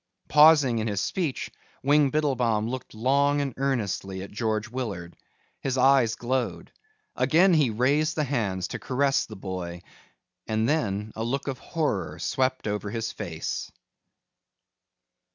Pausing in his speech, Wing Biddlebaum looked long and earnestly at George Willard. His eyes glowed. Again he raised the hands to caress the boy and then a look of horror swept over his face.